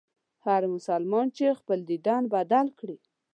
هر مسلمان چي خپل دین بدل کړي.